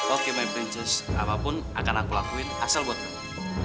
oke my princess apapun akan aku lakuin asal buat lo